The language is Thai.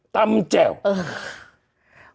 ตำแจ่วเออ